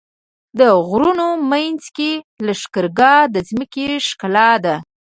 د غرونو منځ کې لښکرګاه د ځمکې ښکلا ده.